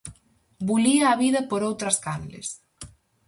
Bulía a vida por outras canles.